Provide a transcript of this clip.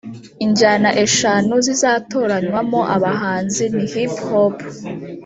Injyana eshanu zizatoranywamo abahanzi ni Hip Hop